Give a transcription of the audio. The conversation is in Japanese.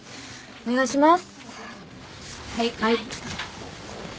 お願いします。